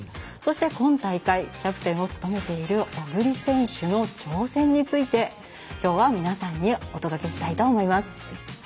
そして、今大会キャプテンを務めている小栗選手の挑戦について、きょうは皆さんにお届けしたいと思います。